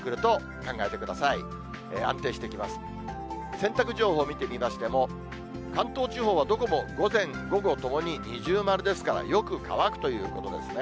洗濯情報見てみましても、関東地方はどこも午前、午後ともに二重丸ですから、よく乾くということですね。